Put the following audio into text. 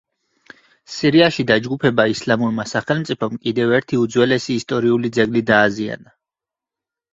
სირიაში დაჯგუფება ისლამურმა სახელმწიფომ კიდევ ერთი უძველესი ისტორიული ძეგლი დააზიანა.